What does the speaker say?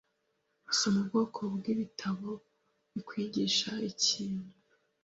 Soma ubwoko bwibitabo bikwigisha ikintu.